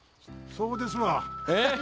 そうですわ。